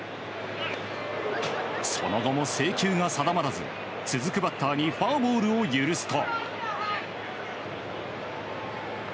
その後も制球が定まらず続くバッターにフォアボールを許すと。